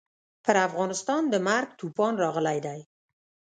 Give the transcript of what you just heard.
پر افغانستان د مرګ توپان راغلی دی.